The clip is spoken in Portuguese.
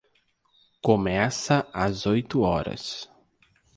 Começa às oito horas.